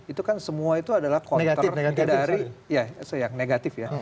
itu kan semua itu adalah counter negatif ya